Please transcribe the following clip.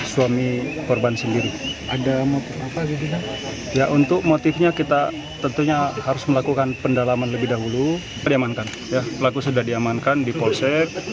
sebenarnya harus melakukan pendalaman lebih dahulu pelaku sudah diamankan di polsek